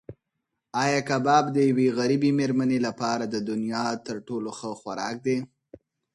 ایا کباب د یوې غریبې مېرمنې لپاره د دنیا تر ټولو ښه خوراک دی؟